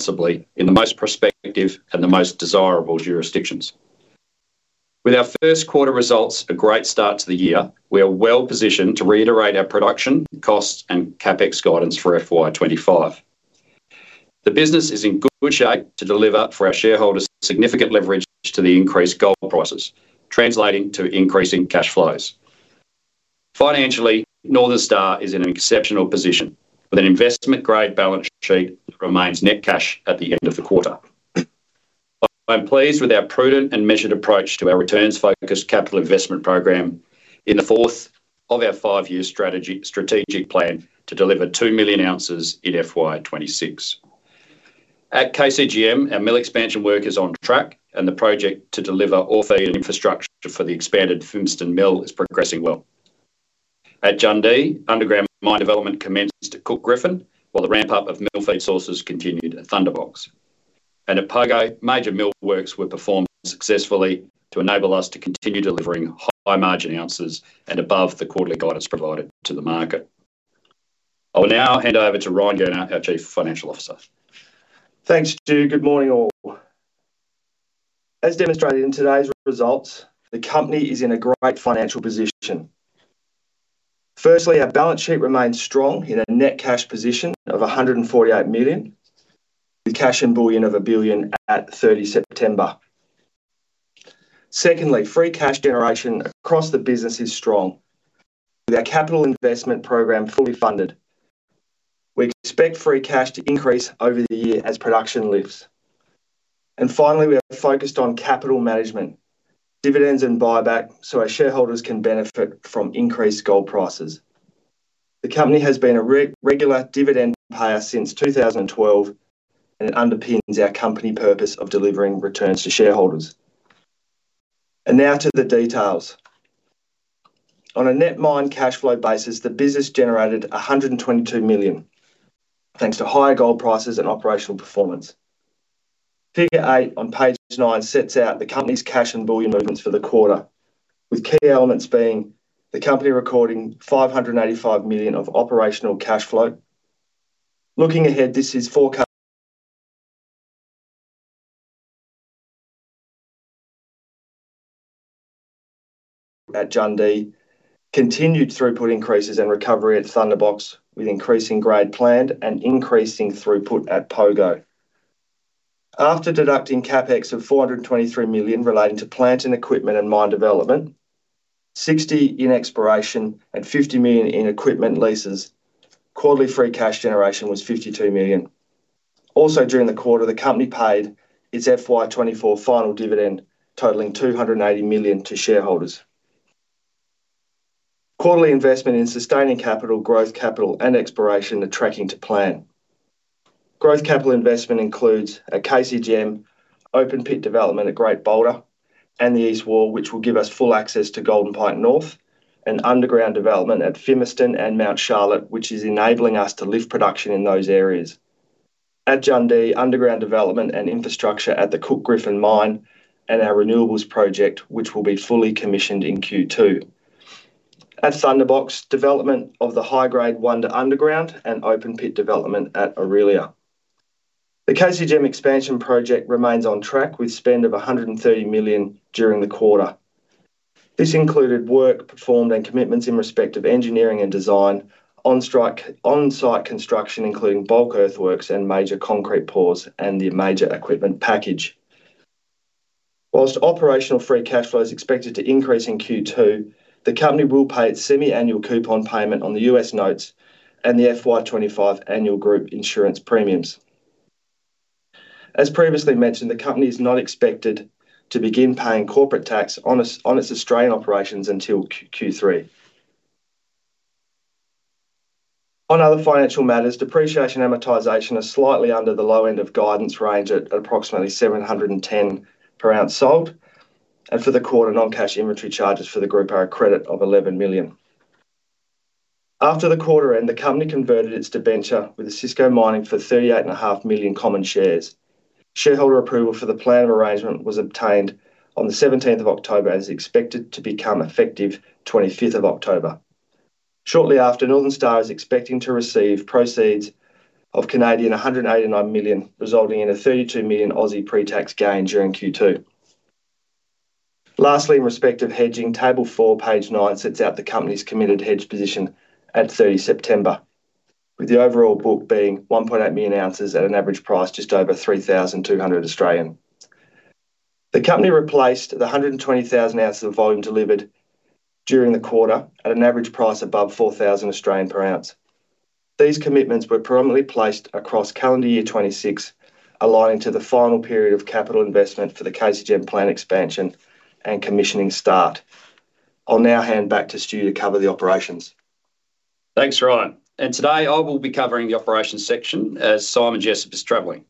Possibly in the most prospective and the most desirable jurisdictions. With our first quarter results, a great start to the year, we are well-positioned to reiterate our production, costs, and CapEx guidance for FY 2025. The business is in good shape to deliver for our shareholders significant leverage to the increased gold prices, translating to increasing cash flows. Financially, Northern Star is in an exceptional position, with an investment-grade balance sheet that remains net cash at the end of the quarter. I'm pleased with our prudent and measured approach to our returns-focused capital investment program in the fourth of our five-year strategy, strategic plan to deliver 2 million ozs in FY 2026. At KCGM, our mill expansion work is on track, and the project to deliver ore feed and infrastructure for the expanded Fimiston Mill is progressing well. At Jundee, underground mine development commenced at Cook-Griffin, while the ramp-up of mill feed sources continued at Thunderbox. And at Pogo, major mill works were performed successfully to enable us to continue delivering high-margin ounces and above the quarterly guidance provided to the market. I will now hand over to Ryan Gurner, our Chief Financial Officer. Thanks, Stu. Good morning, all. As demonstrated in today's results, the company is in a great financial position. Firstly, our balance sheet remains strong in a net cash position of 148 million, with cash and bullion of 1 billion at 30 September. Secondly, free cash generation across the business is strong, with our capital investment program fully funded. We expect free cash to increase over the year as production lifts. And finally, we are focused on capital management, dividends, and buy back, so our shareholders can benefit from increased gold prices. The company has been a regular dividend payer since 2012, and it underpins our company purpose of delivering returns to shareholders. And now to the details. On a net mine cash flow basis, the business generated 122 million, thanks to higher gold prices and operational performance. Figure eight on page nine sets out the company's cash and bullion movements for the quarter, with key elements being the company recording 585 million of operational cash flow. Looking ahead, this is forecast. At Jundee, continued throughput increases and recovery at Thunderbox, with increasing grade planned and increasing throughput at Pogo. After deducting CapEx of 423 million relating to plant and equipment and mine development, 60 million in exploration, and 50 million in equipment leases, quarterly free cash generation was 52 million. Also, during the quarter, the company paid its FY 2024 final dividend, totaling 280 million to shareholders. Quarterly investment in sustaining capital, growth capital, and exploration are tracking to plan. Growth capital investment includes a KCGM open pit development at Great Boulder and the East Wall, which will give us full access to Golden Pike North, and underground development at Fimiston and Mount Charlotte, which is enabling us to lift production in those areas. At Jundee, underground development and infrastructure at the Cook-Griffin mine and our renewables project, which will be fully commissioned in Q2. At Thunderbox, development of the high-grade Wonder Underground and open pit development at Orelia. The KCGM expansion project remains on track, with spend of 130 million during the quarter. This included work performed and commitments in respect of engineering and design, on-site construction, including bulk earthworks and major concrete pours, and the major equipment package. While operational free cash flow is expected to increase in Q2, the company will pay its semi-annual coupon payment on the US notes and the FY 2025 annual group insurance premiums. As previously mentioned, the company is not expected to begin paying corporate tax on its Australian operations until Q3. On other financial matters, depreciation and amortisation are slightly under the low end of guidance range at approximately 710 per ounce sold, and for the quarter, non-cash inventory charges for the group are a credit of 11 million. After the quarter end, the company converted its debenture with Osisko Mining for 38.5 million common shares. Shareholder approval for the plan of arrangement was obtained on the 17th of October and is expected to become effective 25th of October. Shortly after, Northern Star is expecting to receive proceeds of 189 million Canadian dollars, resulting in a 32 million Aussie dollars pre-tax gain during Q2. Lastly, in respect of hedging, table four, page nine, sets out the company's committed hedge position at 30 September, with the overall book being 1.8 million ounces at an average price just over 3,200. The company replaced the 120,000 ounces of volume delivered during the quarter at an average price above 4,000 per ounce. These commitments were prominently placed across calendar year 2026, aligning to the final period of capital investment for the KCGM plant expansion and commissioning start. I'll now hand back to Stu to cover the operations. Thanks, Ryan. Today, I will be covering the operations section as Simon Jessop is traveling.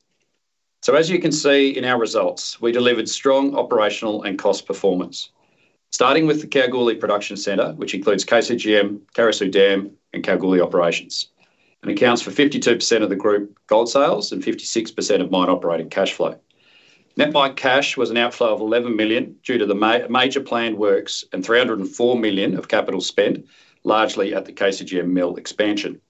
As you can see in our results, we delivered strong operational and cost performance. Starting with the Kalgoorlie Production Centre, which includes KCGM, Carosue Dam, and Kalgoorlie operations, and accounts for 52% of the group gold sales and 56% of mine operating cashflow. Net mine cash was an outflow of 11 million due to the major planned works and 304 million of capital spend, largely at the KCGM mill expansion.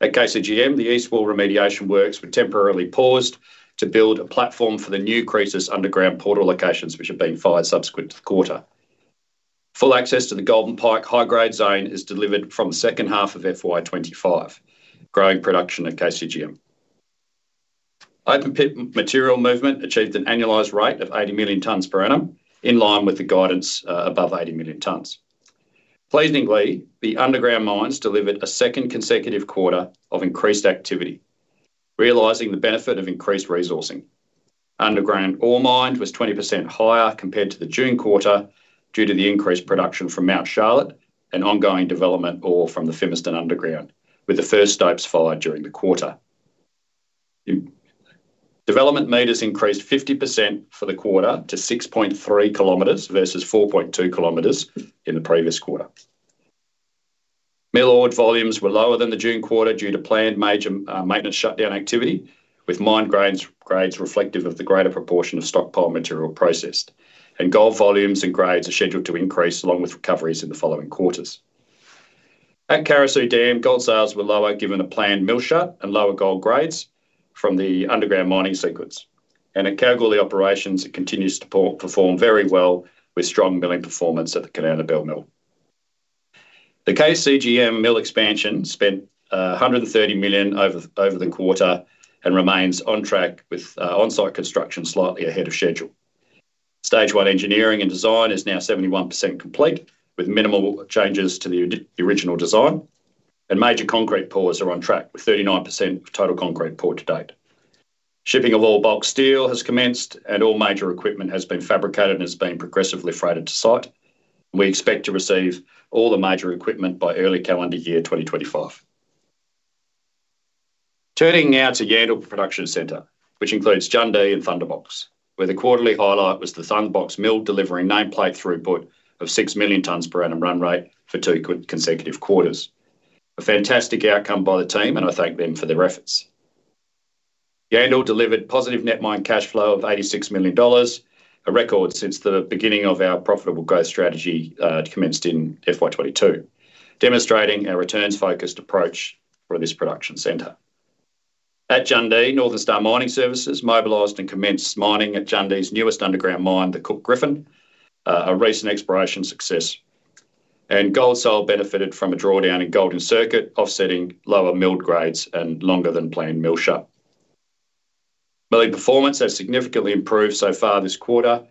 At KCGM, the East Wall remediation works were temporarily paused to build a platform for the new Croesus underground portal locations, which have been fired subsequent to the quarter. Full access to the Golden Pike high-grade zone is delivered from the second half of FY 2025, growing production at KCGM. Open pit material movement achieved an annualized rate of 80 million tonnes per annum, in line with the guidance, above 80 million tonnes. Pleasingly, the underground mines delivered a second consecutive quarter of increased activity, realizing the benefit of increased resourcing. Underground ore mined was 20% higher compared to the June quarter, due to the increased production from Mt Charlotte and ongoing development ore from the Fimiston underground, with the first stopes fired during the quarter. Development meters increased 50% for the quarter to 6.3 km versus 4.2 km in the previous quarter. Mill ore volumes were lower than the June quarter due to planned major maintenance shutdown activity, with mined grades reflective of the greater proportion of stockpile material processed. And gold volumes and grades are scheduled to increase, along with recoveries in the following quarters. At Carosue Dam, gold sales were lower, given a planned mill shut and lower gold grades from the underground mining sequence. And at Kalgoorlie operations, it continues to perform very well with strong milling performance at the Kanowna Belle Mill. The KCGM mill expansion spent 130 million over the quarter and remains on track with on-site construction slightly ahead of schedule. Stage one engineering and design is now 71% complete, with minimal changes to the original design, and major concrete pours are on track, with 39% of total concrete poured to date. Shipping of all bulk steel has commenced, and all major equipment has been fabricated and is being progressively freighted to site. We expect to receive all the major equipment by early calendar year 2025. Turning now to Yandal Production Centre, which includes Jundee and Thunderbox, where the quarterly highlight was the Thunderbox mill delivering nameplate throughput of 6 million tons per annum run rate for two good consecutive quarters. A fantastic outcome by the team, and I thank them for their efforts. Yandal delivered positive net mine cash flow of 86 million dollars, a record since the beginning of our profitable growth strategy commenced in FY 2022, demonstrating our returns-focused approach for this production center. At Jundee, Northern Star Mining Services mobilized and commenced mining at Jundee's newest underground mine, the Cook-Griffin, a recent exploration success. Gold sales benefited from a drawdown in gold-in-circuit, offsetting lower milled grades and longer than planned mill shutdown. Milling performance has significantly improved so far this quarter,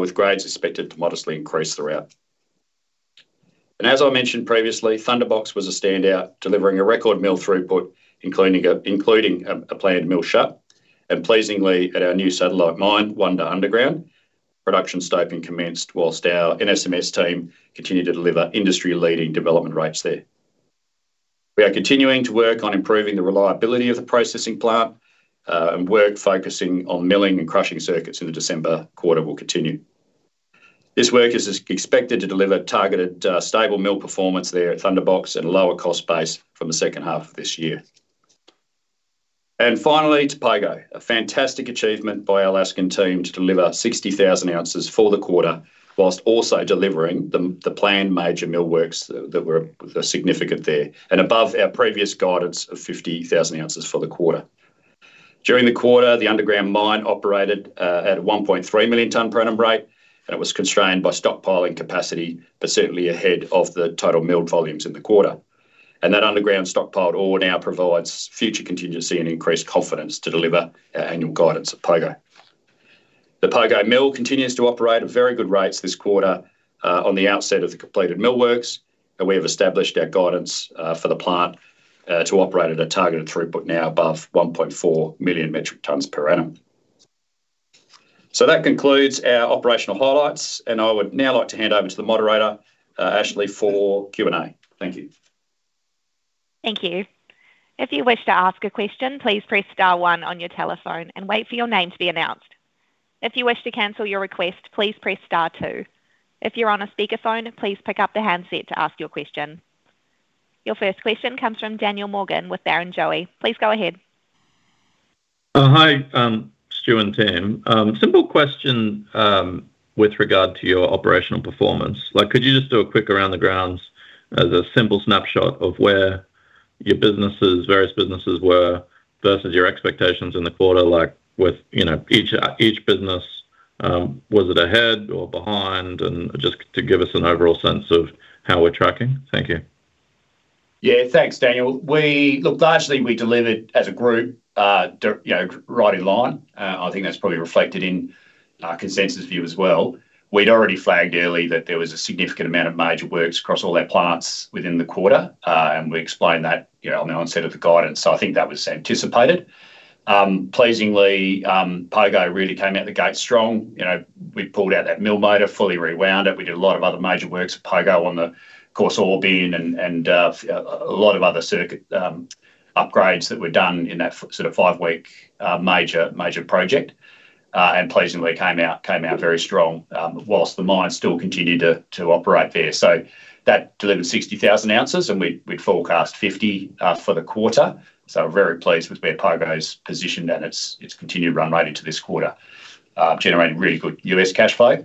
with grades expected to modestly increase throughout. And as I mentioned previously, Thunderbox was a standout, delivering a record mill throughput, including a planned mill shut. And pleasingly, at our new satellite mine, Wonder Underground, production stoping commenced, while our NSMS team continued to deliver industry-leading development rates there. We are continuing to work on improving the reliability of the processing plant, and work focusing on milling and crushing circuits in the December quarter will continue. This work is expected to deliver targeted, stable mill performance there at Thunderbox and a lower cost base from the second half of this year. And finally, to Pogo. A fantastic achievement by our Alaskan team to deliver 60,000 ounces for the quarter, while also delivering the planned major mill works that were significant there, and above our previous guidance of 50,000 ounces for the quarter. During the quarter, the underground mine operated at a 1.3 million tonne per annum rate, and it was constrained by stockpiling capacity, but certainly ahead of the total milled volumes in the quarter. That underground stockpiled ore now provides future contingency and increased confidence to deliver our annual guidance at Pogo. The Pogo Mill continues to operate at very good rates this quarter, on the outset of the completed mill works, and we have established our guidance for the plant to operate at a targeted throughput now above 1.4 million metric tonne per annum. That concludes our operational highlights, and I would now like to hand over to the moderator, Ashley, for Q&A. Thank you. Thank you. If you wish to ask a question, please press star one on your telephone and wait for your name to be announced. If you wish to cancel your request, please press star two. If you're on a speakerphone, please pick up the handset to ask your question. Your first question comes from Daniel Morgan with Barrenjoey. Please go ahead. Hi, Stu and team. Simple question, with regard to your operational performance. Like, could you just do a quick around the grounds as a simple snapshot of where your businesses, various businesses were, versus your expectations in the quarter? Like, with, you know, each business, was it ahead or behind? And just to give us an overall sense of how we're tracking. Thank you. Yeah, thanks, Daniel. Look, largely, we delivered as a group, you know, right in line. I think that's probably reflected in consensus view as well. We'd already flagged early that there was a significant amount of major works across all our plants within the quarter, and we explained that, you know, on the onset of the guidance, so I think that was anticipated. Pleasingly, Pogo really came out the gate strong. You know, we pulled out that mill motor, fully rewound it. We did a lot of other major works at Pogo on the ore bin, of course, and a lot of other circuit upgrades that were done in that sort of five-week major project. And pleasingly came out very strong whilst the mine still continued to operate there. So that delivered 60,000 ounces, and we, we'd forecast 50 for the quarter, so very pleased with where Pogo's positioned, and it's continued run right into this quarter, generating really good U.S. cash flow.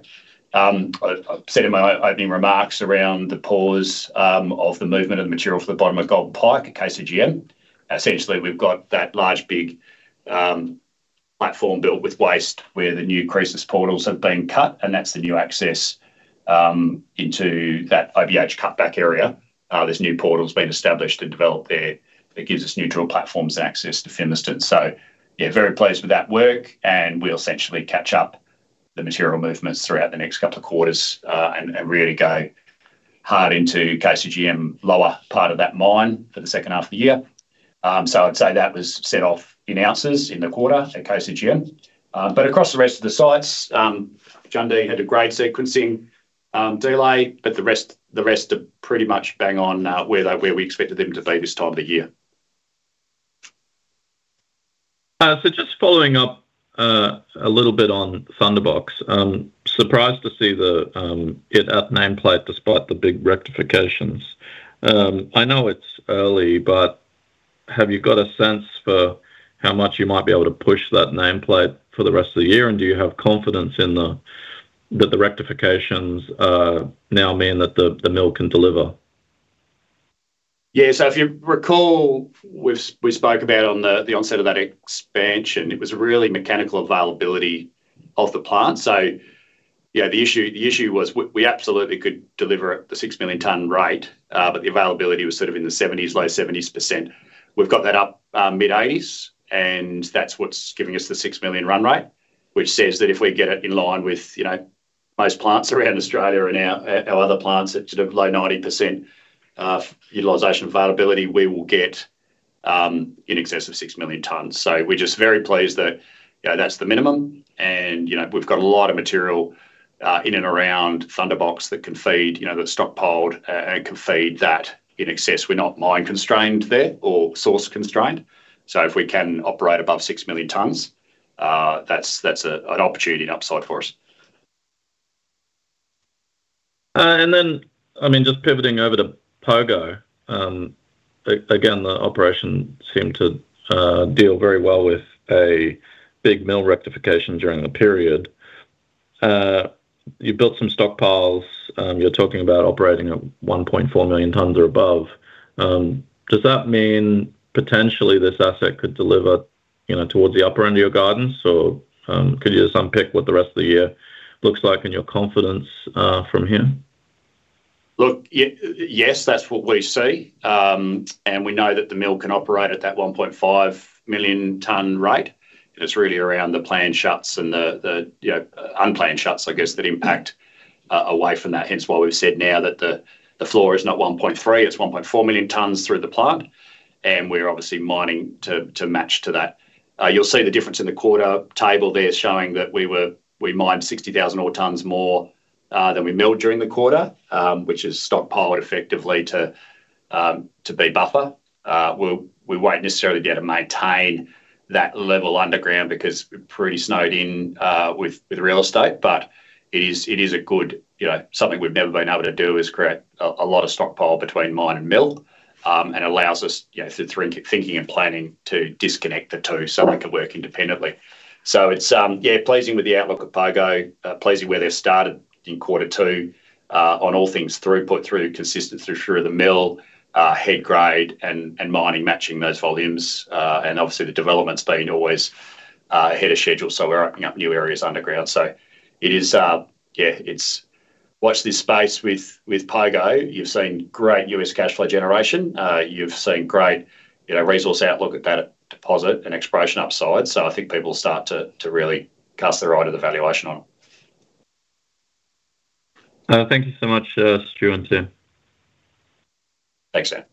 I said in my opening remarks around the pause of the movement of the material to the bottom of Golden Pike at KCGM. Essentially, we've got that large big platform built with waste, where the new Croesus portals have been cut, and that's the new access into that OBH cutback area. This new portal's been established and developed there. It gives us neutral platforms and access to Fimiston. Yeah, very pleased with that work, and we'll essentially catch up the material movements throughout the next couple of quarters, and really go hard into KCGM lower part of that mine for the second half of the year. So I'd say that was short in ounces in the quarter at KCGM. But across the rest of the sites, Jundee had a great sequencing delay, but the rest are pretty much bang on where we expected them to be this time of the year. So just following up a little bit on Thunderbox. Surprised to see it at nameplate despite the big rectifications. I know it's early, but have you got a sense for how much you might be able to push that nameplate for the rest of the year, and do you have confidence in that the rectifications now mean that the mill can deliver? Yeah. So if you recall, we spoke about on the onset of that expansion, it was really mechanical availability of the plant. So yeah, the issue was we absolutely could deliver at the 6 million tonne rate, but the availability was sort of in the 70s, low 70s%. We've got that up mid-80s%, and that's what's giving us the 6 million run rate, which says that if we get it in line with, you know, most plants around Australia and our other plants at sort of low 90%, utilization availability, we will get in excess of 6 million tonnes. So we're just very pleased that, you know, that's the minimum, and, you know, we've got a lot of material in and around Thunderbox that can feed, you know, that's stockpiled, and can feed that in excess. We're not mine-constrained there or source-constrained. So if we can operate above 6 million tonnes, that's an opportunity and upside for us. And then, I mean, just pivoting over to Pogo. Again, the operation seemed to deal very well with a big mill rectification during the period. You built some stockpiles. You're talking about operating at 1.4 million tonnes or above. Does that mean potentially this asset could deliver, you know, towards the upper end of your guidance? Or could you just unpick what the rest of the year looks like and your confidence from here? Look, yes, that's what we see. And we know that the mill can operate at that 1.5 million tonne rate. It's really around the planned shuts and the, you know, unplanned shuts, I guess, that impact away from that. Hence, why we've said now that the floor is not 1.3, it's 1.4 million tonnes through the plant, and we're obviously mining to match that. You'll see the difference in the quarter table there showing that we were. We mined 60,000 ore tonnes more than we milled during the quarter, which is stockpiled effectively to be buffer. We won't necessarily be able to maintain that level underground because we're pretty snowed in with real estate. But it is a good. You know, something we've never been able to do is create a lot of stockpile between mine and mill, and allows us, you know, through thinking and planning, to disconnect the two so we can work independently. So it's, yeah, pleasing with the outlook at Pogo. Pleasing where they've started in quarter two, on all things throughput, through consistency through the mill, head grade, and mining matching those volumes. And obviously, the development's been always ahead of schedule, so we're opening up new areas underground. So it is. Yeah, it's watch this space with Pogo. You've seen great U.S. cash flow generation. You've seen great, you know, resource outlook at that deposit and exploration upside. So I think people will start to really cast their eye to the valuation on. Thank you so much, Stu and Sim. Thanks, Dan.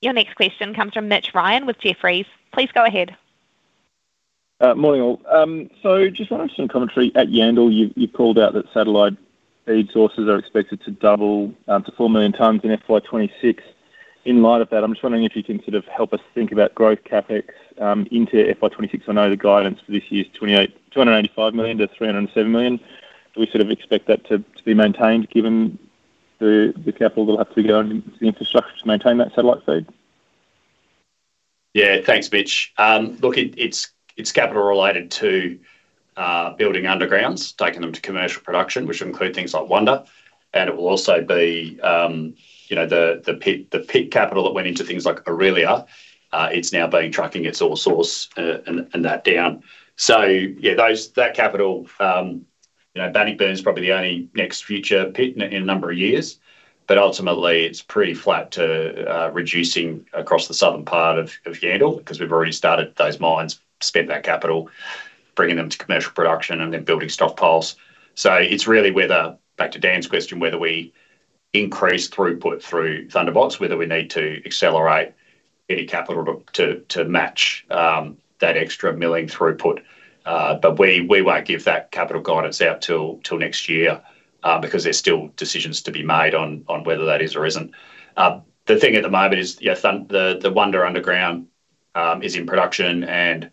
Your next question comes from Mitch Ryan with Jefferies. Please go ahead. Morning, all. So just wanted some commentary at Yandal. You've called out that satellite feed sources are expected to double to four million tonnes in FY 2026. In light of that, I'm just wondering if you can sort of help us think about growth CapEx into FY 2026. I know the guidance for this year is 285 million-307 million. Do we sort of expect that to be maintained given the capital that will have to go into the infrastructure to maintain that satellite feed? Yeah. Thanks, Mitch. Look, it's capital related to building undergrounds, taking them to commercial production, which include things like Wonder, and it will also be, you know, the pit capital that went into things like Orelia. It's now being trucked, its ore sourced, and that down. So yeah, that capital, you know, Bannockburn is probably the only next future pit in a number of years, but ultimately, it's pretty flat to reducing across the southern part of Yandal, 'cause we've already started those mines, spent that capital, bringing them to commercial production and then building stockpiles. So it's really whether, back to Dan's question, whether we increase throughput through Thunderbox, whether we need to accelerate any capital to match that extra milling throughput. But we won't give that capital guidance out till next year, because there's still decisions to be made on whether that is or isn't. The thing at the moment is, you know, the Wonder Underground is in production, and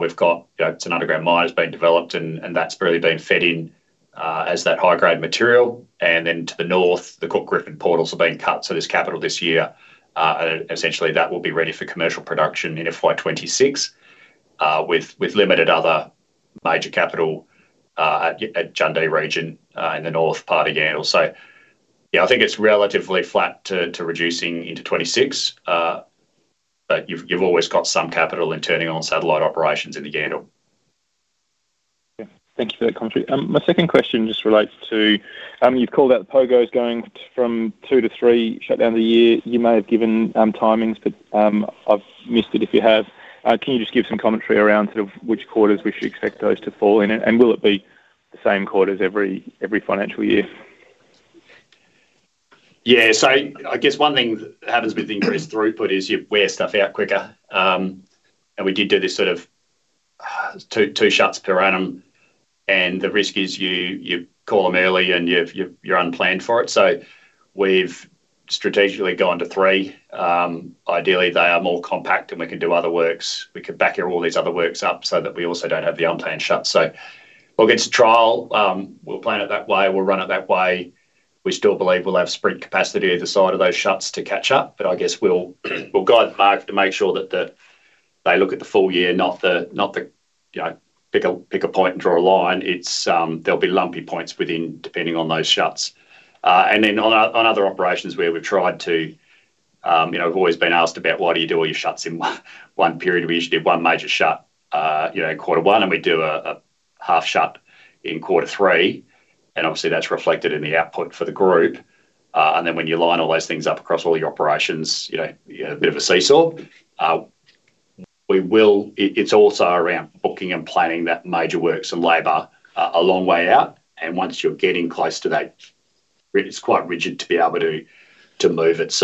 we've got, you know, it's an underground mine that's been developed and that's really been fed in as that high-grade material. And then to the north, the Cook-Griffin portals have been cut, so there's capital this year. And essentially, that will be ready for commercial production in FY 2026, with limited other major capital at Jundee region in the north part of Yandal. So yeah, I think it's relatively flat to reducing into 2026. But you've always got some capital in turning on satellite operations in the Yandal. Yeah. Thank you for that commentary. My second question just relates to, you've called out the Pogo's going from two to three shutdowns a year. You may have given timings, but I've missed it if you have. Can you just give some commentary around sort of which quarters we should expect those to fall in? And will it be the same quarters every financial year? Yeah. So I guess one thing that happens with increased throughput is you wear stuff out quicker. And we did do this sort of two shuts per annum, and the risk is you call them early and you're unplanned for it. So we've strategically gone to three. Ideally, they are more compact, and we can do other works. We can back all these other works up so that we also don't have the unplanned shuts. So we'll get to trial. We'll plan it that way, we'll run it that way. We still believe we'll have spare capacity either side of those shuts to catch up, but I guess we'll guide the market to make sure that they look at the full year, not the, you know, pick a point and draw a line. It's there'll be lumpy points within, depending on those shuts. And then on other operations where we've tried to, you know, I've always been asked about: "Why do you do all your shuts in one period?" We usually do one major shut, you know, in quarter one, and we do a half shut in quarter three, and obviously, that's reflected in the output for the group. And then when you line all those things up across all your operations, you know, a bit of a seesaw. It's also around booking and planning that major works and labor a long way out, and once you're getting close to that, it is quite rigid to be able to move it.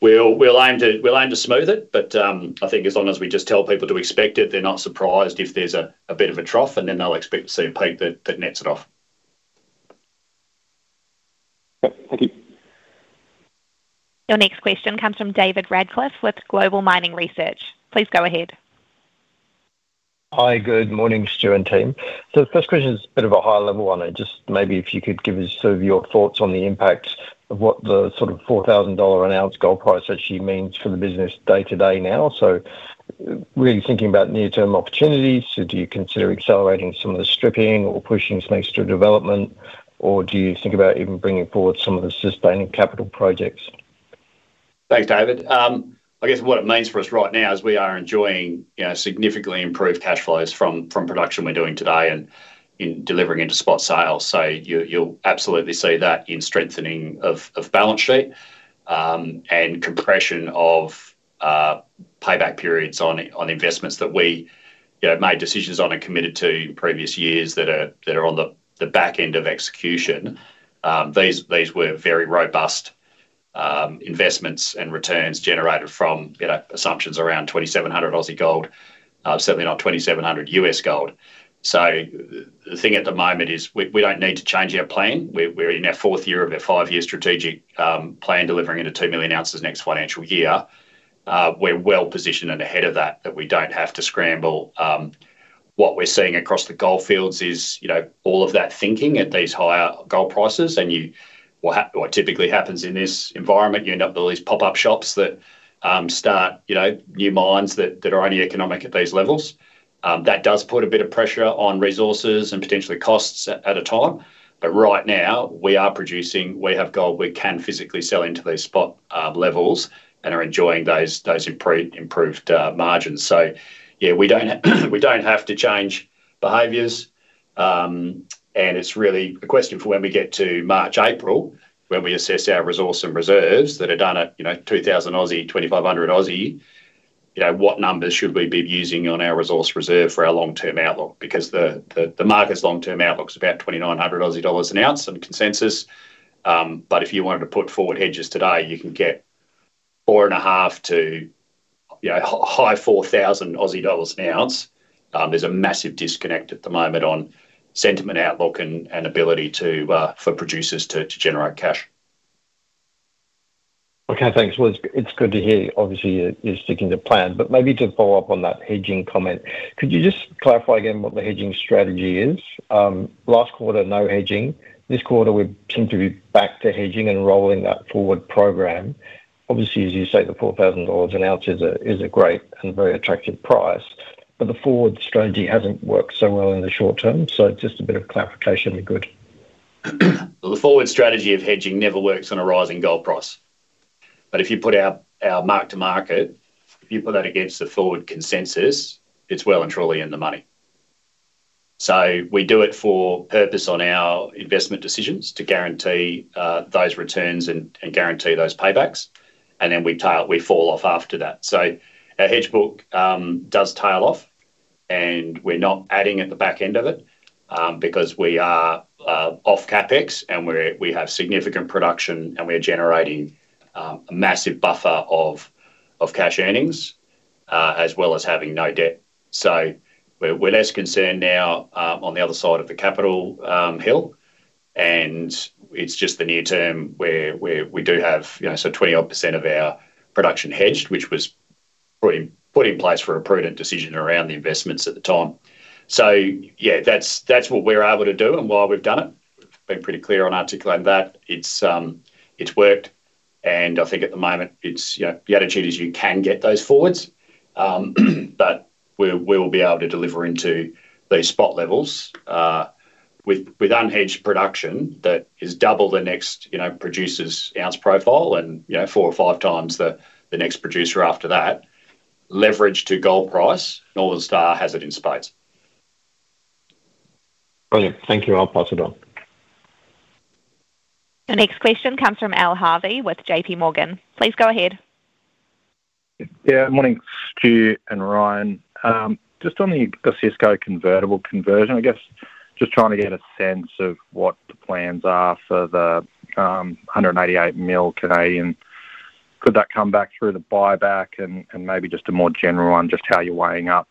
We'll aim to smooth it, but I think as long as we just tell people to expect it, they're not surprised if there's a bit of a trough, and then they'll expect to see a peak that nets it off. Okay. Thank you. Your next question comes from David Radcliffe with Global Mining Research. Please go ahead. Hi, good morning, Stuart and team. So the first question is a bit of a high-level one, and just maybe if you could give us sort of your thoughts on the impact of what the sort of 4,000 dollar an ounce gold price actually means for the business day-to-day now. So really thinking about near-term opportunities, so do you consider accelerating some of the stripping or pushing some extra development, or do you think about even bringing forward some of the sustaining capital projects? Thanks, David. I guess what it means for us right now is we are enjoying, you know, significantly improved cash flows from production we're doing today and in delivering into spot sales. So you, you'll absolutely see that in strengthening of balance sheet, and compression of payback periods on investments that we, you know, made decisions on and committed to in previous years that are on the back end of execution. These were very robust investments and returns generated from, you know, assumptions around 2,700 Aussie gold, certainly not 2,700 U.S. gold. So the thing at the moment is we don't need to change our plan. We're in our fourth year of a five-year strategic plan, delivering into 2 million ounces next financial year. We're well positioned and ahead of that, that we don't have to scramble. What we're seeing across the gold fields is, you know, all of that thinking at these higher gold prices. What typically happens in this environment, you end up with all these pop-up shops that start, you know, new mines that are only economic at these levels. That does put a bit of pressure on resources and potentially costs at a time. But right now, we are producing, we have gold we can physically sell into these spot levels and are enjoying those improved margins. So yeah, we don't have to change behaviors. It's really a question for when we get to March, April, when we assess our resource and reserves that are done at, you know, 2,000, 2,500, you know, what numbers should we be using on our resource reserve for our long-term outlook? Because the market's long-term outlook is about 2,900 Aussie dollars an ounce and consensus. But if you wanted to put forward hedges today, you can get 4,500 to, you know, high 4,000 Aussie dollars an ounce. There's a massive disconnect at the moment on sentiment outlook and ability to for producers to generate cash. Okay, thanks. Well, it's good to hear. Obviously, you're sticking to plan. But maybe to follow up on that hedging comment, could you just clarify again what the hedging strategy is? Last quarter, no hedging. This quarter, we seem to be back to hedging and rolling that forward program. Obviously, as you say, the $4,000 an ounce is a great and very attractive price, but the forward strategy hasn't worked so well in the short term, so just a bit of clarification would be good. The forward strategy of hedging never works on a rising gold price. But if you put our mark to market, if you put that against the forward consensus, it's well and truly in the money. So we do it for purpose on our investment decisions to guarantee those returns and guarantee those paybacks, and then we tail, we fall off after that. So our hedge book does tail off, and we're not adding at the back end of it, because we are off CapEx, and we're, we have significant production, and we are generating a massive buffer of cash earnings, as well as having no debt. So we're less concerned now, on the other side of the capital hill... and it's just the near term where we do have, you know, so 20-odd% of our production hedged, which was put in place for a prudent decision around the investments at the time. So yeah, that's what we're able to do and why we've done it. We've been pretty clear on articulating that. It's, it's worked, and I think at the moment, it's, you know, the attitude is you can get those forwards. But we will be able to deliver into these spot levels with unhedged production that is double the next, you know, producer's ounce profile and, you know, four or five times the next producer after that. Leverage to gold price, Northern Star has it in spades. Brilliant. Thank you. I'll pass it on. The next question comes from Al Harvey with J.P. Morgan. Please go ahead. Yeah, morning, Stu and Ryan. Just on the Osisko convertible conversion, I guess just trying to get a sense of what the plans are for the 188 million. Could that come back through the buyback? And maybe just a more general one, just how you're weighing up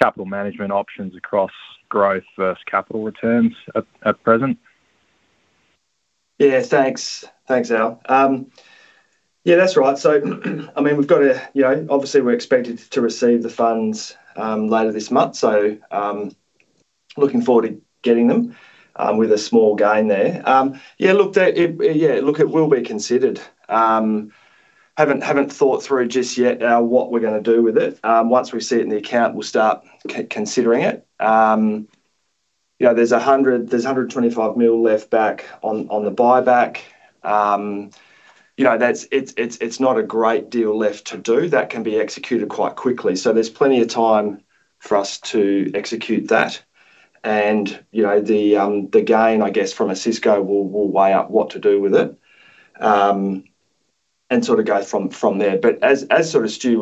capital management options across growth versus capital returns at present. Yeah, thanks. Thanks, Al. Yeah, that's right. So, I mean, we've got to. You know, obviously, we're expected to receive the funds later this month. So, looking forward to getting them with a small gain there. Yeah, look, it will be considered. Haven't thought through just yet what we're gonna do with it. Once we see it in the account, we'll start considering it. You know, there's 125 million left on the buyback. You know, that's not a great deal left to do. That can be executed quite quickly, so there's plenty of time for us to execute that. You know, the gain, I guess, from Osisko, we'll weigh up what to do with it, and sort of go from there. But as sort of Stu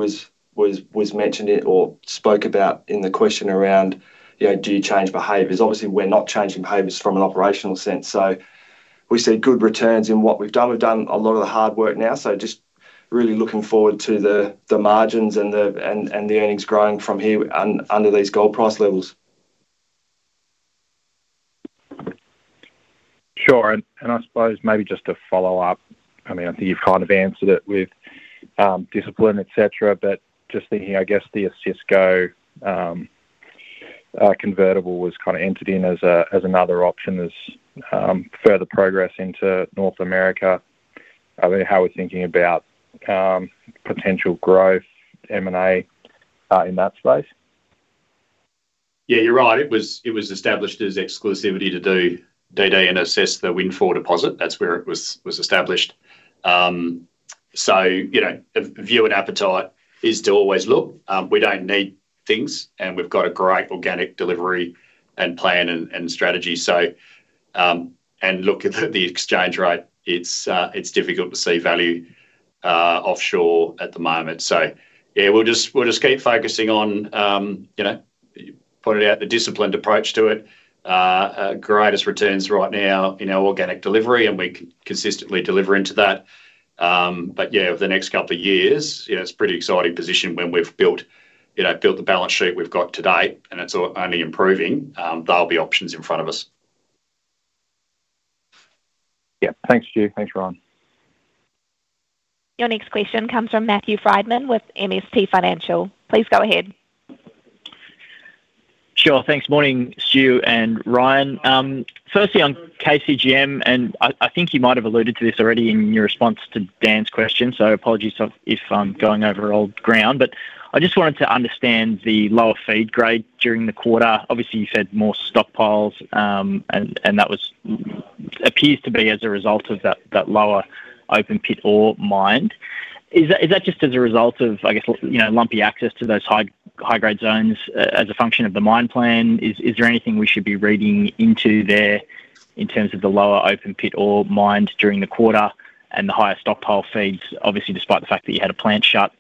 was mentioning or spoke about in the question around, you know, do you change behaviors? Obviously, we're not changing behaviors from an operational sense, so we see good returns in what we've done. We've done a lot of the hard work now, so just really looking forward to the margins and the earnings growing from here under these gold price levels. Sure. And I suppose maybe just to follow up, I mean, I think you've kind of answered it with discipline, et cetera, but just thinking, I guess, the Osisko convertible was kind of entered in as another option as further progress into North America. I mean, how we're thinking about potential growth, M&A in that space? Yeah, you're right. It was established as exclusivity to do DD and assess the Windfall deposit. That's where it was established. So, you know, the view and appetite is to always look. We don't need things, and we've got a great organic delivery and plan and strategy. So, and look at the exchange rate, it's difficult to see value offshore at the moment. So yeah, we'll just keep focusing on, you know, you pointed out the disciplined approach to it. Greatest returns right now in our organic delivery, and we consistently deliver into that. But yeah, over the next couple of years, you know, it's a pretty exciting position when we've built, you know, the balance sheet we've got today, and it's only improving. There'll be options in front of us. Yeah. Thanks, Stu. Thanks, Ryan. Your next question comes from Matthew Frydman with MST Financial. Please go ahead. Sure. Thanks. Morning, Stu and Ryan. Firstly, on KCGM, and I think you might have alluded to this already in your response to Dan's question, so apologies if I'm going over old ground, but I just wanted to understand the lower feed grade during the quarter. Obviously, you said more stockpiles, and that was... appears to be as a result of that lower open pit ore mined. Is that just as a result of, I guess, you know, lumpy access to those high-grade zones as a function of the mine plan? Is there anything we should be reading into there in terms of the lower open pit ore mined during the quarter and the higher stockpile feeds, obviously, despite the fact that you had a plant shut?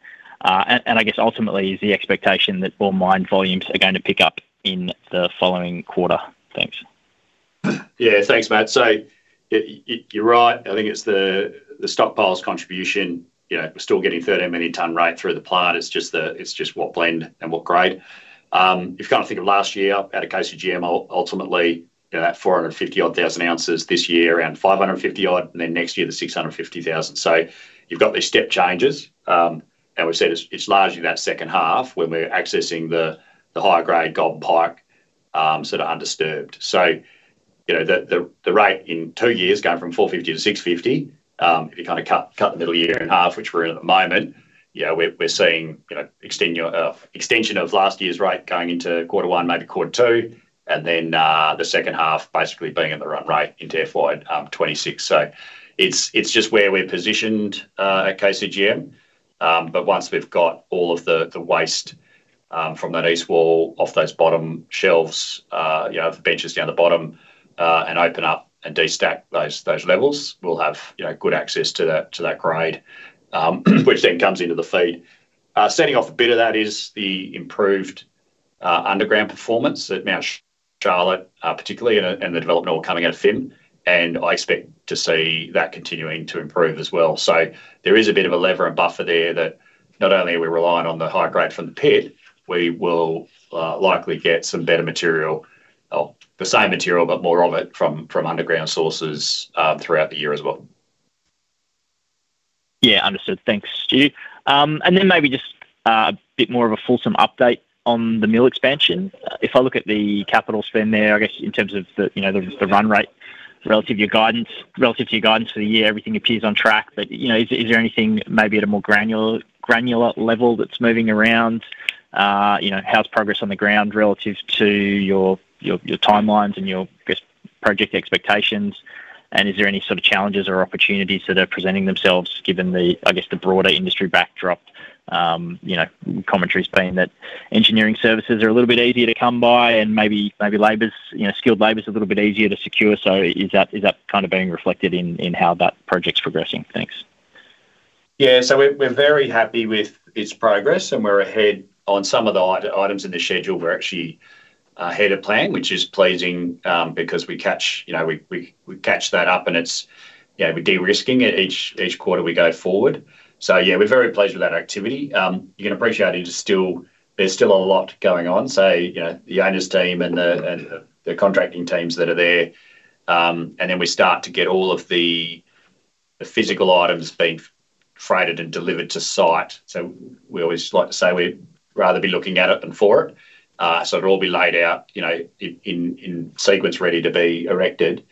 I guess ultimately, is the expectation that all mine volumes are going to pick up in the following quarter? Thanks. Yeah. Thanks, Matt. So you're right. I think it's the, the stockpiles contribution. You know, we're still getting 13 million tonne rate through the plant. It's just the- it's just what blend and what grade. If you kind of think of last year out of KCGM, ultimately, you know, that 450-odd thousand ounces. This year, around 550-odd, and then next year, the 650 thousand. So you've got these step changes, and we've said it's, it's largely that second half when we're accessing the, the higher grade Golden Pike, sort of undisturbed. So, you know, the rate in two years going from 450 to 650, if you kind of cut the middle year in half, which we're in at the moment, you know, we're seeing, you know, an extension of last year's rate going into quarter one, maybe quarter two, and then, the second half basically being at the run rate into FY 2026. So it's just where we're positioned at KCGM. But once we've got all of the waste from that East Wall off those bottom shelves, you know, the benches down the bottom, and open up and de-stack those levels, we'll have, you know, good access to that grade, which then comes into the feed. Setting off a bit of that is the improved underground performance at Mount Charlotte, particularly, and the development all coming out of Fimiston, and I expect to see that continuing to improve as well, so there is a bit of a lever and buffer there that not only are we relying on the high grade from the pit, we will likely get some better material, or the same material, but more of it, from underground sources throughout the year as well.... Yeah, understood. Thanks, Stu. And then maybe just a bit more of a fulsome update on the mill expansion. If I look at the capital spend there, I guess in terms of the, you know, the run rate relative to your guidance for the year, everything appears on track. But, you know, is there anything maybe at a more granular level that's moving around? You know, how's progress on the ground relative to your timelines and your, I guess, project expectations? And is there any sort of challenges or opportunities that are presenting themselves given the, I guess, the broader industry backdrop? You know, commentary's been that engineering services are a little bit easier to come by and maybe labor's, you know, skilled labor is a little bit easier to secure. So is that kind of being reflected in how that project's progressing? Thanks. Yeah. So we're very happy with its progress, and we're ahead on some of the items in the schedule. We're actually ahead of plan, which is pleasing, because we catch that up and it's... Yeah, we're de-risking it each quarter we go forward. So yeah, we're very pleased with that activity. You can appreciate it is still. There's still a lot going on, so you know, the owner's team and the contracting teams that are there. And then we start to get all of the physical items being freighted and delivered to site. So we always like to say we'd rather be looking at it than for it. So it'll all be laid out, you know, in sequence, ready to be erected.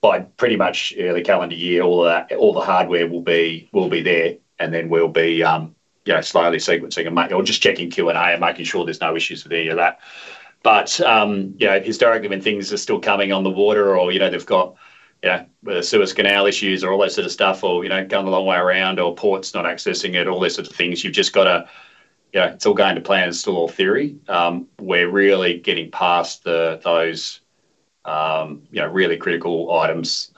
By pretty much the calendar year, all the hardware will be there, and then we'll be you know, slowly sequencing and or just checking Q&A and making sure there's no issues with any of that. But you know, historically when things are still coming on the water or you know, they've got you know, the Suez Canal issues or all that sort of stuff, or you know, going a long way around or ports not accessing it, all those sort of things, you've just got to... You know, it's all going to plan. It's still all theory. We're really getting past those you know, really critical items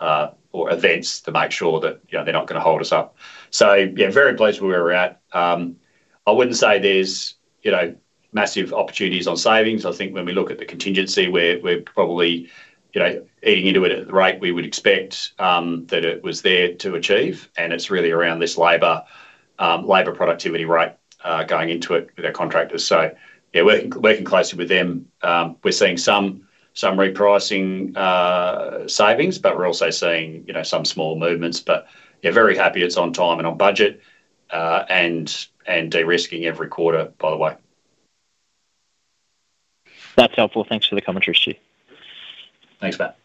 or events to make sure that you know, they're not gonna hold us up. So yeah, very pleased where we're at. I wouldn't say there's, you know, massive opportunities on savings. I think when we look at the contingency, we're probably, you know, eating into it at the rate we would expect that it was there to achieve, and it's really around this labor productivity rate going into it with our contractors. So yeah, working closely with them. We're seeing some repricing savings, but we're also seeing, you know, some small movements, but yeah, very happy it's on time and on budget, and de-risking every quarter, by the way. That's helpful. Thanks for the commentary, Stu. Thanks, Matt.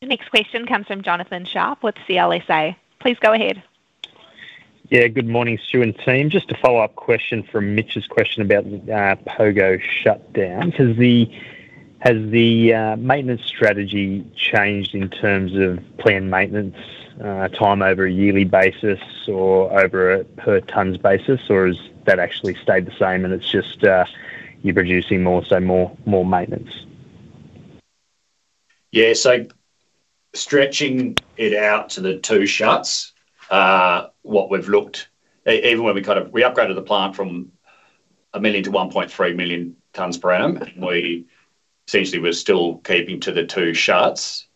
The next question comes from Jonathan Sharp with CLSA. Please go ahead. Yeah. Good morning, Stu and team. Just a follow-up question from Mitch's question about the Pogo shutdown. Has the maintenance strategy changed in terms of planned maintenance time over a yearly basis or over a per tonnes basis? Or has that actually stayed the same and it's just you're producing more, so more maintenance? Yeah, so stretching it out to the two shuts, what we've looked. Even when we upgraded the plant from 1 million-1.3 million tonnes per annum, and we essentially were still keeping to the two shuts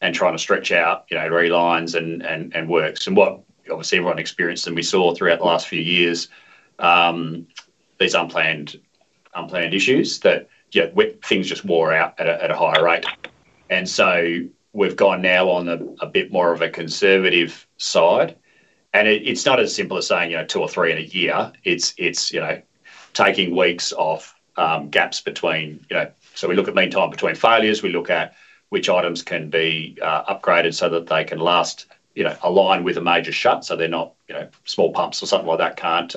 and trying to stretch out, you know, relines and works. And what obviously everyone experienced and we saw throughout the last few years, these unplanned issues that, yeah, things just wore out at a higher rate. And so we've gone now on a bit more of a conservative side, and it's not as simple as saying, you know, two or three in a year. It's, you know, taking weeks off, gaps between, you know... So we look at mean time between failures. We look at which items can be upgraded so that they can last, you know, aligned with a major shut, so they're not, you know, small pumps or something like that can't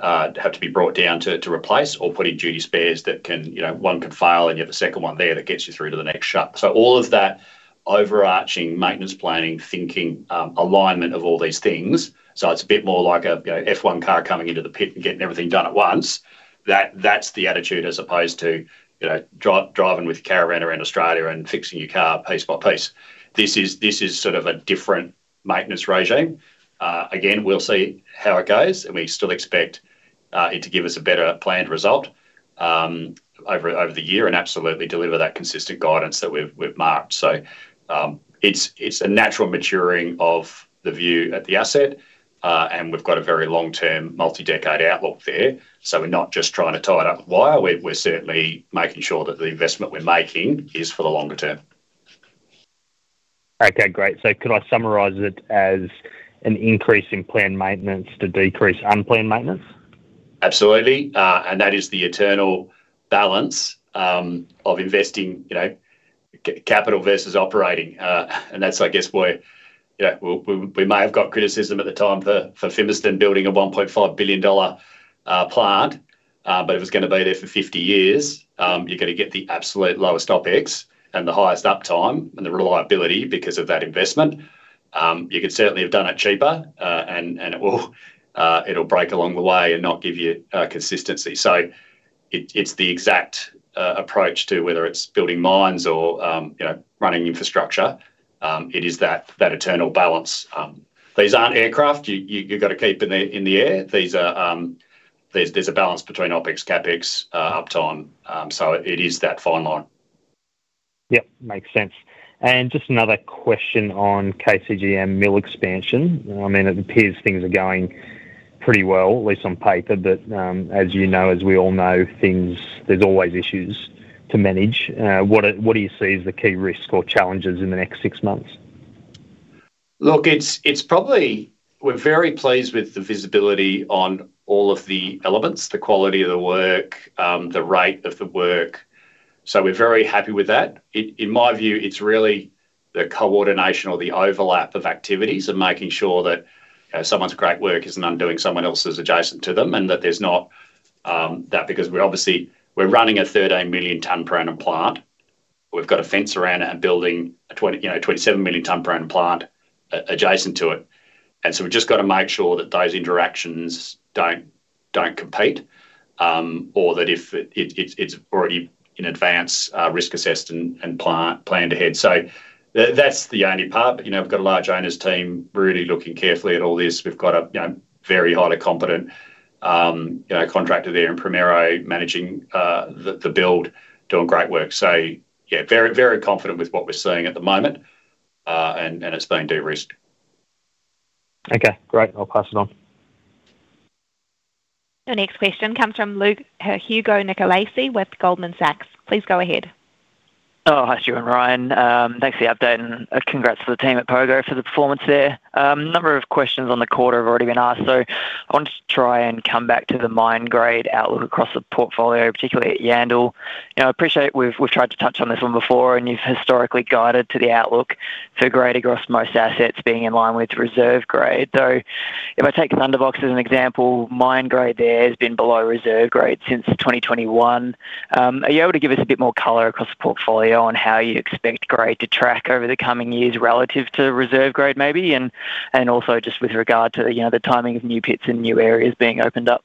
have to be brought down to replace or put in duty spares that can, you know, one can fail, and you have a second one there that gets you through to the next shut. So all of that overarching maintenance planning, thinking, alignment of all these things, so it's a bit more like a, you know, F1 car coming into the pit and getting everything done at once. That's the attitude, as opposed to, you know, driving with your car around Australia and fixing your car piece by piece. This is sort of a different maintenance regime. Again, we'll see how it goes, and we still expect it to give us a better planned result over the year and absolutely deliver that consistent guidance that we've marked. So, it's a natural maturing of the view at the asset, and we've got a very long-term, multi-decade outlook there. So we're not just trying to tie it up with wire, we're certainly making sure that the investment we're making is for the longer term. Okay, great. So could I summarize it as an increase in planned maintenance to decrease unplanned maintenance? Absolutely and that is the eternal balance of investing, you know, capital versus operating. That's, I guess, where, you know, we may have got criticism at the time for Fimiston building a 1.5 billion dollar plant, but it was gonna be there for 50 years. You're gonna get the absolute lowest OpEx and the highest uptime and the reliability because of that investment. You could certainly have done it cheaper, and it will, it'll break along the way and not give you consistency. So it's the exact approach to whether it's building mines or, you know, running infrastructure. It is that eternal balance. These aren't aircraft you've got to keep in the air. These are, there's a balance between OpEx, CapEx, uptime. So it is that fine line. Yep, makes sense. And just another question on KCGM mill expansion. I mean, it appears things are going pretty well, at least on paper. But, as you know, as we all know, things, there's always issues to manage. What do you see as the key risks or challenges in the next six months? Look, it's probably we're very pleased with the visibility on all of the elements, the quality of the work, the rate of the work, so we're very happy with that. In my view, it's really the coordination or the overlap of activities and making sure that, you know, someone's great work isn't undoing someone else's adjacent to them, and that there's not that because we're obviously. We're running a 13-million-tonne per annum plant. We've got a fence around it and building a twenty, you know, 27-million-tonne per annum plant adjacent to it, and so we've just got to make sure that those interactions don't compete. Or that if it's already in advance risk-assessed and planned ahead. So that's the only part, but, you know, we've got a large owners team really looking carefully at all this. We've got a, you know, very highly competent, you know, contractor there in Primero, managing the build, doing great work. So yeah, very, very confident with what we're seeing at the moment, and it's being de-risked. Okay, great. I'll pass it on. The next question comes from, Hugo Nicolaci with Goldman Sachs. Please go ahead. Oh, hi, Stuart and Ryan. Thanks for the update, and congrats to the team at Pogo for the performance there. A number of questions on the quarter have already been asked, so I wanted to try and come back to the mine grade outlook across the portfolio, particularly at Yandal. You know, I appreciate we've tried to touch on this one before, and you've historically guided to the outlook for grade across most assets being in line with reserve grade. Though, if I take Thunderbox as an example, mine grade there has been below reserve grade since 2021. Are you able to give us a bit more color across the portfolio on how you expect grade to track over the coming years relative to reserve grade, maybe? Also just with regard to, you know, the timing of new pits and new areas being opened up.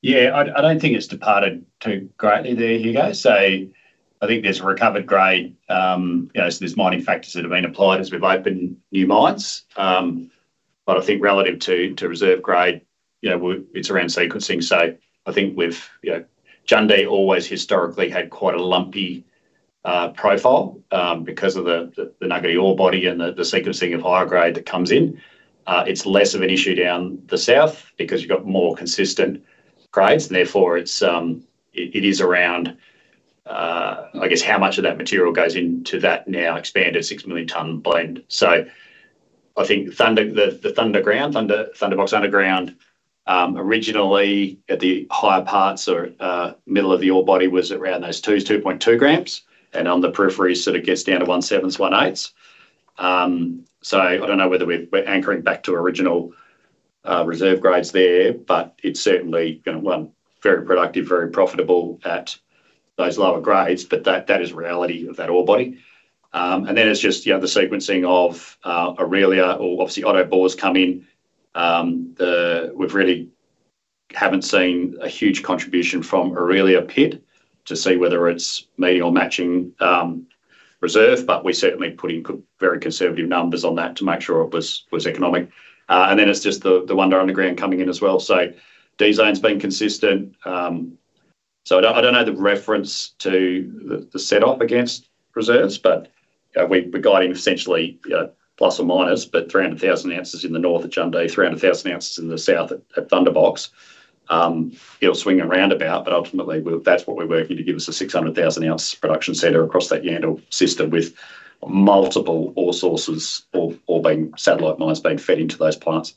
Yeah, I don't think it's departed too greatly there, Hugo. So I think there's a recovered grade, you know, so there's mining factors that have been applied as we've opened new mines. But I think relative to reserve grade, you know, we're, it's around sequencing. So I think we've, you know, Jundee always historically had quite a lumpy profile, because of the nugget ore body and the sequencing of higher grade that comes in. It's less of an issue down the south because you've got more consistent grades, and therefore, it's it is around, I guess, how much of that material goes into that now expanded six million tonne blend. So I think the Thunderbox Underground originally at the higher parts or middle of the ore body was around those twos, 2.2 gm, and on the periphery, sort of gets down to 1/7, 1/8. So I don't know whether we're anchoring back to original reserve grades there, but it's certainly, you know, very productive, very profitable at those lower grades, but that is reality of that ore body. And then it's just, you know, the sequencing of Orelia or obviously Otto Bore's come in. We've really haven't seen a huge contribution from Orelia Pit to see whether it's meeting or matching reserve, but we're certainly putting very conservative numbers on that to make sure it was economic. And then it's just the Wonder Underground coming in as well. So design's been consistent. So I don't know the reference to the set up against reserves, but you know, we're guiding essentially, you know, plus or minus but 300,000 ounces in the north at Jundee, 300,000 ounces in the south at Thunderbox. It'll swing around about, but ultimately, that's what we're working to give us a 600,000 ounce production center across that Yandal system, with multiple ore sources or being satellite mines being fed into those plants.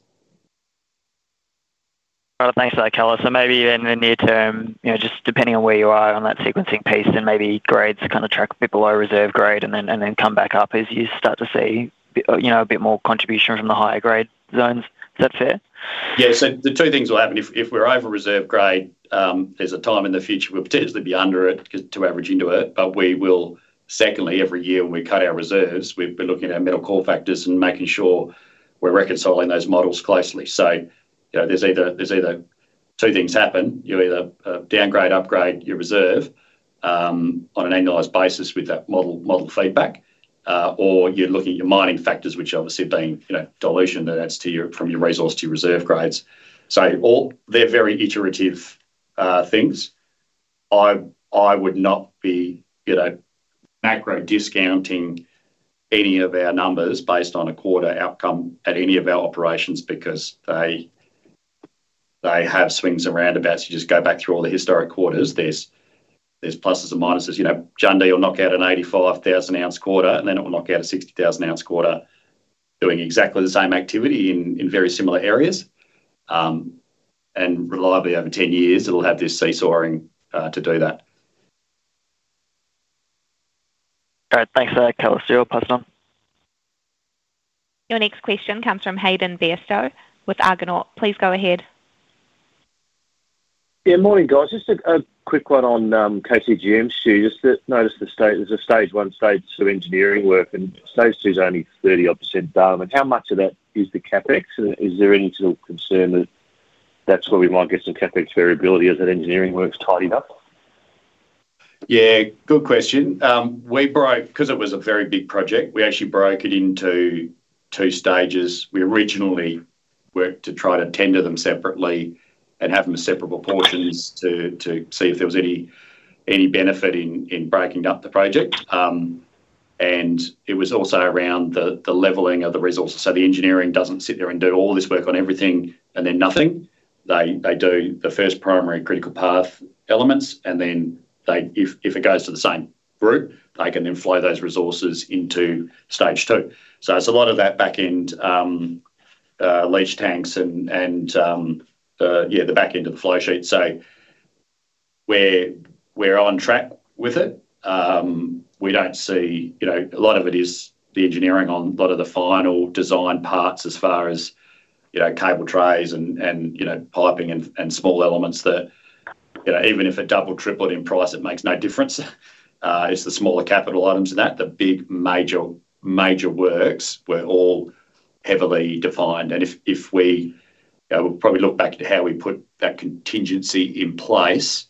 Thanks for that, color. Maybe in the near term, you know, just depending on where you are on that sequencing piece and maybe grades kind of track a bit below reserve grade and then come back up as you start to see, you know, a bit more contribution from the higher grade zones. Is that fair? Yeah. So the two things will happen: if we're over-reserve grade, there's a time in the future we'll potentially be under it to average into it, but we will. Secondly, every year when we cut our reserves, we've been looking at our metal call factors and making sure we're reconciling those models closely. So, you know, there's either two things happen. You either downgrade, upgrade your reserve on an annualized basis with that model feedback, or you're looking at your mining factors, which obviously are being, you know, dilution that adds to your from your resource to your reserve grades. So all they're very iterative things. I would not be, you know, macro discounting any of our numbers based on a quarter outcome at any of our operations, because they have swings and roundabouts. You just go back through all the historic quarters, there's pluses and minuses. You know, Jundee will knock out an 85,000-ounce quarter, and then it will knock out a 60,000-ounce quarter, doing exactly the same activity in very similar areas. And reliably over 10 years, it'll have this seesawing to do that. All right. Thanks for that, color. I'll pass it on. Your next question comes from Hayden Bairstow with Argonaut. Please go ahead. Yeah, morning, guys. Just a quick one on KCGM, Stu. Just that I noticed the stage. There's a stage I and stage II engineering work, and stage II is only 30-odd% done. How much of that is the CapEx? And is there any sort of concern that that's where we might get some CapEx variability as that engineering work's tidied up? Yeah, good question. 'Cause it was a very big project, we actually broke it into two stages. We originally worked to try to tender them separately and have them as separable portions to see if there was any benefit in breaking up the project. And it was also around the leveling of the resources. So the engineering doesn't sit there and do all this work on everything and then nothing. They do the first primary critical path elements, and then if it goes to the same route, they can then flow those resources into stage II So it's a lot of that back-end leach tanks and yeah, the back end of the flow sheet. So we're on track with it. We don't see—you know, a lot of it is the engineering on a lot of the final design parts as far as, you know, cable trays and, and, you know, piping and, and small elements that, you know, even if it doubled, tripled in price, it makes no difference. It's the smaller capital items than that. The big, major, major works were all heavily defined, and if we— You know, we'll probably look back at how we put that contingency in place.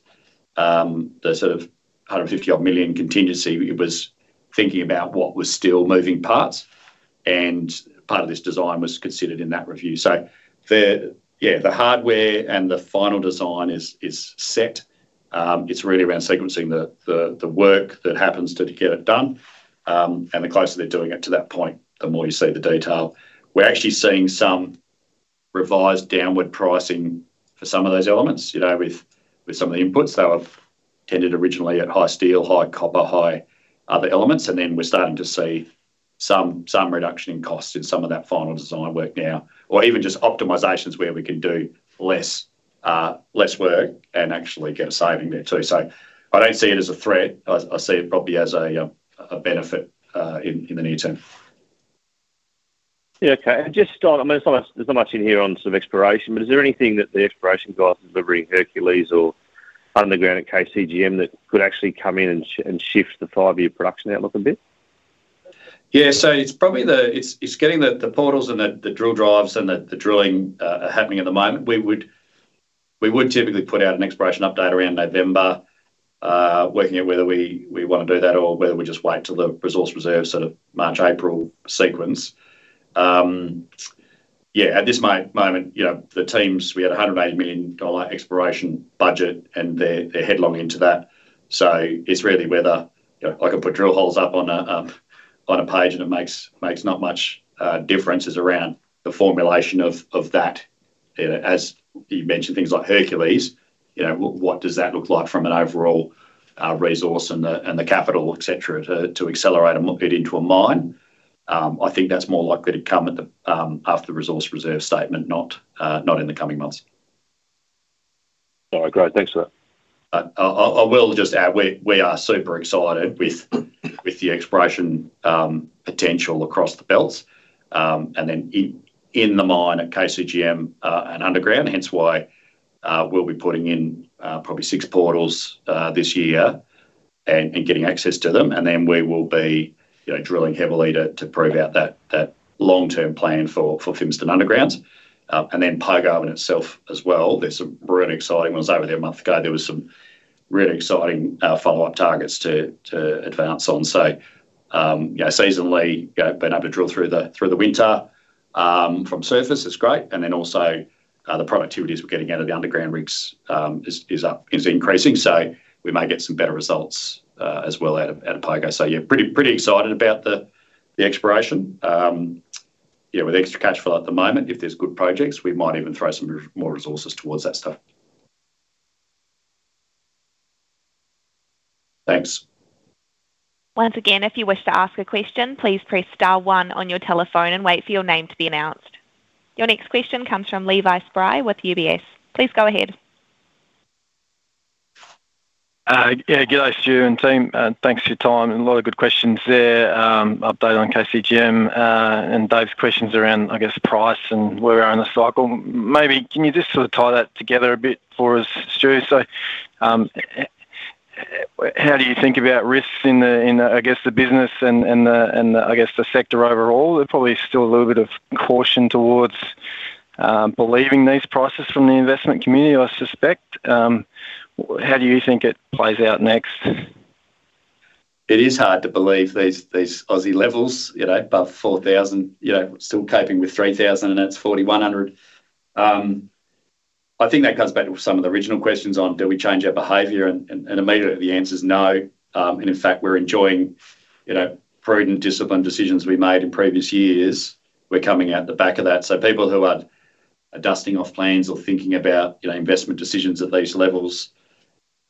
The sort of 150-odd million contingency, it was thinking about what was still moving parts, and part of this design was considered in that review. So the... Yeah, the hardware and the final design is set. It's really around sequencing the work that happens to get it done. And the closer they're doing it to that point, the more you see the detail. We're actually seeing some revised downward pricing for some of those elements, you know, with some of the inputs. They were tendered originally at high steel, high copper, high other elements, and then we're starting to see some reduction in cost in some of that final design work now. Or even just optimizations where we can do less work and actually get a saving there too. So I don't see it as a threat. I see it probably as a benefit in the near term. Yeah, okay. And just on... I mean, there's not much in here on sort of exploration, but is there anything that the exploration guys are doing in Hercules or underground at KCGM that could actually come in and shift the five-year production outlook a bit? Yeah. So it's probably the portals and the drill drives and the drilling happening at the moment. We would typically put out an exploration update around November, working out whether we want to do that or whether we just wait till the resource and reserves sort of March, April sequence. Yeah, at this moment, you know, the teams, we had an 180 million dollar exploration budget, and they're headlong into that. So it's really whether, you know, I can put drill holes up on a page, and it makes not much difference as around the formulation of that. You know, as you mentioned, things like Hercules, you know, what does that look like from an overall resource and the capital, et cetera, to accelerate it into a mine? I think that's more likely to come at the after the resource reserve statement, not in the coming months. All right. Great. Thanks for that. I will just add, we are super excited with the exploration potential across the belts, and then in the mine at KCGM, and underground. Hence why, we'll be putting in probably six portals this year, and getting access to them, and then we will be, you know, drilling heavily to prove out that long-term plan for Fimiston Underground. And then Pogo itself as well, there's some really exciting. I was over there a month ago, there was some really exciting follow-up targets to advance on. So, you know, seasonally, you know, being able to drill through the winter from surface is great, and then also the productivities we're getting out of the underground rigs is up, is increasing, so we may get some better results as well out at Pogo. Yeah, pretty excited about the exploration. Yeah, with extra cash flow at the moment, if there's good projects, we might even throw some more resources towards that stuff. Thanks. Once again, if you wish to ask a question, please press star one on your telephone and wait for your name to be announced. Your next question comes from Levi Spry with UBS. Please go ahead. Yeah, good day, Stu and team, and thanks for your time, and a lot of good questions there. Update on KCGM, and Dave's questions around, I guess, price and where we are in the cycle. Maybe can you just sort of tie that together a bit for us, Stu? So, how do you think about risks in the, I guess, the business and the sector overall? There's probably still a little bit of caution towards believing these prices from the investment community, I suspect. How do you think it plays out next? It is hard to believe these Aussie levels, you know, above four thousand. You know, still coping with three thousand, and it's forty-one hundred. I think that comes back to some of the original questions on, do we change our behavior? And immediately, the answer's no. And in fact, we're enjoying, you know, prudent, disciplined decisions we made in previous years. We're coming out the back of that. So people who are dusting off plans or thinking about, you know, investment decisions at these levels,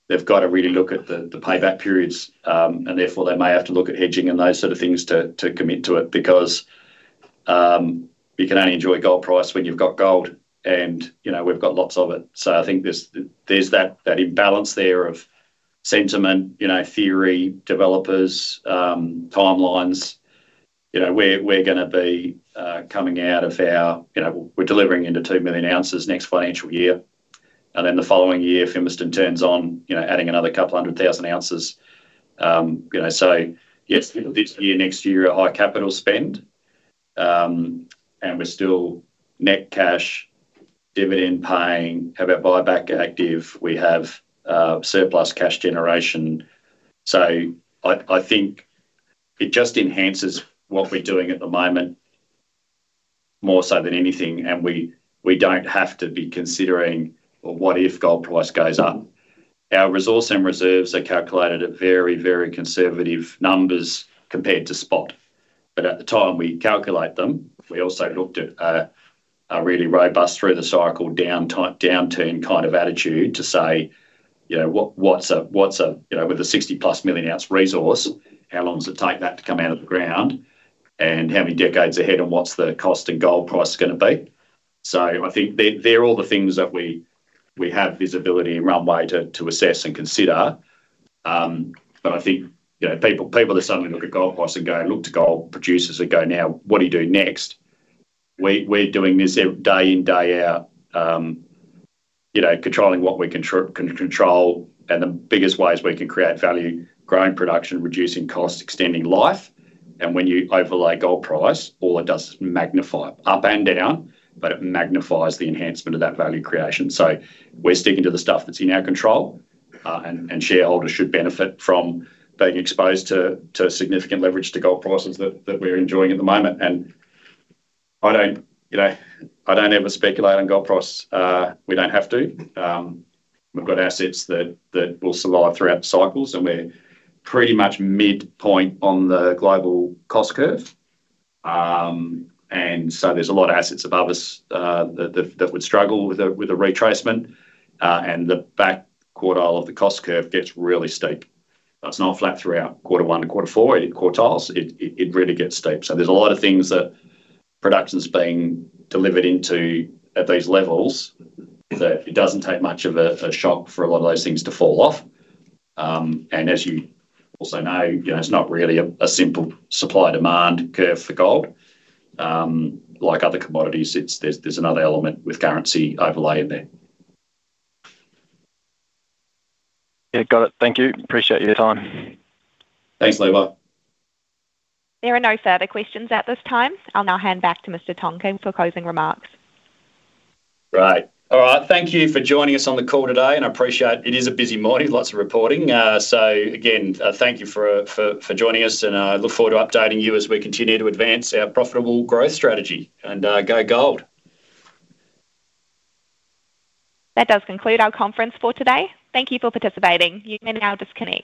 they've got to really look at the payback periods, and therefore, they may have to look at hedging and those sort of things to commit to it because you can only enjoy gold price when you've got gold, and, you know, we've got lots of it. So I think there's that imbalance there of sentiment, you know, theory, developers, timelines. You know, we're gonna be coming out of our... You know, we're delivering into two million ounces next financial year, and then the following year, Fimiston turns on, you know, adding another couple hundred thousand ounces. You know, so yes, this year, next year, high capital spend, and we're still net cash, dividend paying, have our buyback active. We have surplus cash generation. So I think it just enhances what we're doing at the moment... more so than anything, and we don't have to be considering, well, what if gold price goes up? Our resource and reserves are calculated at very, very conservative numbers compared to spot. But at the time we calculate them, we also looked at a really robust through the cycle downturn kind of attitude to say, you know, what's a, you know, with a 60+ million ounce resource, how long does it take that to come out of the ground? And how many decades ahead, and what's the cost and gold price gonna be? So I think they're all the things that we have visibility and runway to assess and consider. But I think, you know, people that suddenly look at gold price and go and look to gold producers and go, "Now, what do you do next?" We're doing this every day in, day out. You know, controlling what we can control, and the biggest ways we can create value, growing production, reducing costs, extending life. And when you overlay gold price, all it does is magnify it up and down, but it magnifies the enhancement of that value creation. So we're sticking to the stuff that's in our control, and shareholders should benefit from being exposed to significant leverage to gold prices that we're enjoying at the moment. And I don't, you know, I don't ever speculate on gold price. We don't have to. We've got assets that will survive throughout the cycles, and we're pretty much mid-point on the global cost curve. And so there's a lot of assets above us that would struggle with a retracement. And the back quartile of the cost curve gets really steep. It's not flat throughout quarter one to quarter four quartiles. It really gets steep. So there's a lot of things that production's being delivered into at these levels, that it doesn't take much of a shock for a lot of those things to fall off. And as you also know, you know, it's not really a simple supply-demand curve for gold. Like other commodities, it's, there's another element with currency overlay in there. Yeah, got it. Thank you. Appreciate your time. Thanks, Levi. There are no further questions at this time. I'll now hand back to Mr. Tonkin for closing remarks. Great. All right, thank you for joining us on the call today, and I appreciate it is a busy morning, lots of reporting. So again, thank you for joining us, and I look forward to updating you as we continue to advance our profitable growth strategy. And, go gold! That does conclude our conference for today. Thank you for participating. You can now disconnect.